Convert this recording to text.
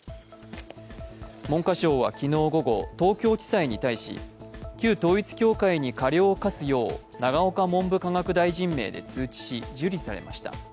文科省は昨日午後、東京地裁に対し、旧統一教会に過料を科すよう永岡文部科学大臣名で通知し、受理されました。